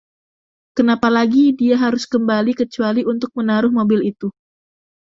Kenapa lagi dia harus kembali kecuali untuk menaruh mobil itu?